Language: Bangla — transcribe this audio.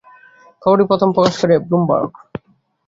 খবরটি প্রথম প্রকাশ করে ব্লুমবার্গ।